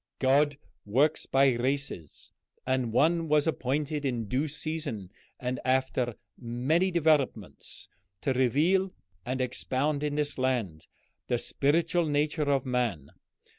God works by races, and one was appointed in due season and after many developments to reveal and expound in this land the spiritual nature of man.